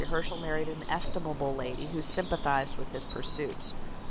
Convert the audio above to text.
] In 1783, Herschel married an estimable lady who sympathized with his pursuits.